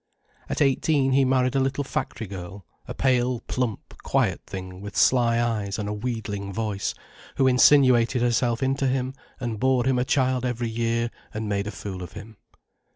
At eighteen he married a little factory girl, a pale, plump, quiet thing with sly eyes and a wheedling voice, who insinuated herself into him and bore him a child every year and made a fool of him.